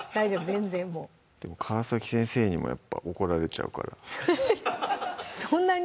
全然もうでも川先生にもやっぱ怒られちゃうからそんなに？